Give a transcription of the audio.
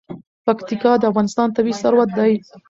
پکتیکا د افغانستان طبعي ثروت دی.